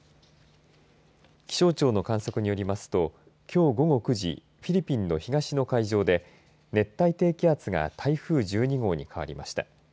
気象庁の観測によりますときょう午後９時フィリピンの東の海上で熱帯低気圧が台風１２号に変わりました。